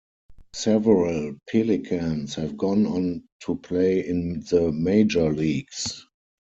Several Pelicans have gone on to play in the major leagues.